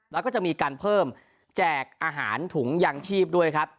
แล้วก็จะมีการเพิ่มแจกอาหารถุงยางชีพด้วยครับ